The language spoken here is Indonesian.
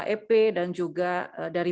ep dan juga dari